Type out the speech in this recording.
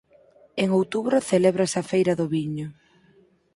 En outubro celébrase a feira do viño.